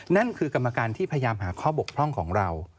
นั่นคือกรรมการที่พยายามหาข้อบกพร่องของเรา